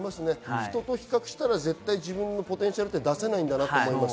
人と比較したら自分のポテンシャルは出せないんだなと思います。